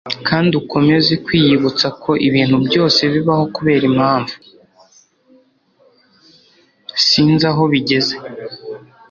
sinzi aho bigeze